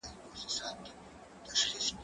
هغه څوک چي لوښي وچوي منظم وي!!